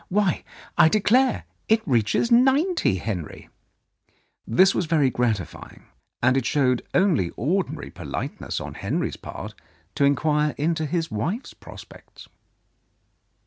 Why, I declare it reaches ninety, Henry !" This was very gratifying, and it showed only ordinary politeness on Henry's part to inquire into his wife's prospects.